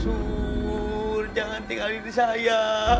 sur jangan tinggalin saya